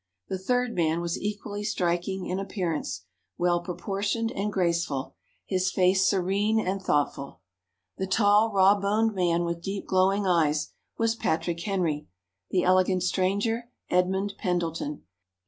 The third man was equally striking in appearance, well proportioned and graceful, his face serene and thoughtful. The tall raw boned man with deep glowing eyes, was Patrick Henry; the elegant stranger, Edmund Pendleton.